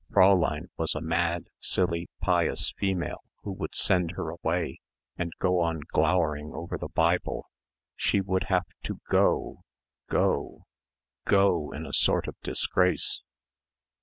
Fräulein was a mad, silly, pious female who would send her away and go on glowering over the Bible. She would have to go, go, go in a sort of disgrace.